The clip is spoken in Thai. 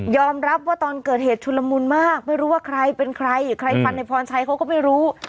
รับว่าตอนเกิดเหตุชุลมุนมากไม่รู้ว่าใครเป็นใครใครฟันในพรชัยเขาก็ไม่รู้